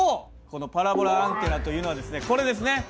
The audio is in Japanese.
このパラボラアンテナというのはですねこれですね。